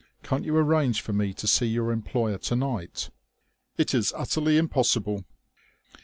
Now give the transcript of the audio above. Can't you arrange for me to see your employer to night?" "It is utterly impossible."